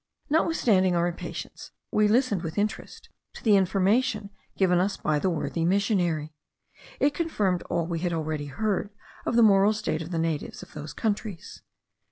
Notwithstanding our impatience, we listened with interest to the information given us by the worthy missionary. It confirmed all we had already heard of the moral state of the natives of those countries.